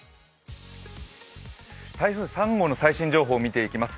台風３号の最新情報を見ていきます。